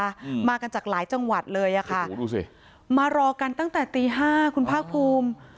อืมมากันจากหลายจังหวัดเลยอ่ะค่ะโอ้โหดูสิมารอกันตั้งแต่ตีห้าคุณภาคภูมิ